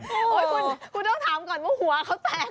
คุณต้องถามก่อนว่าหัวเขาแตกไหม